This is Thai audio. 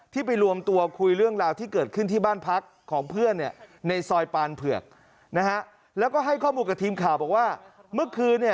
ที่ไปรวมตัวคุยเรื่องราวที่เกิดขึ้นที่บ้านพักของเพื่อน